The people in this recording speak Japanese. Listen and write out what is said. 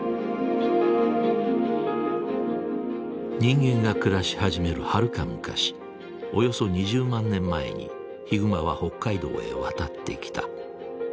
人間が暮らし始めるはるか昔およそ２０万年前にヒグマは北海道へ渡ってきた。